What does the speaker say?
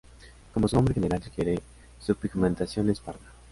Como su nombre general sugiere, su pigmentación es parda.